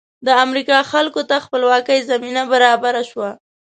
د امریکا خلکو ته خپلواکۍ زمینه برابره شوه.